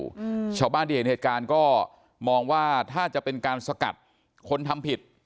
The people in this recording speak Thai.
อืมชาวบ้านที่เห็นเหตุการณ์ก็มองว่าถ้าจะเป็นการสกัดคนทำผิด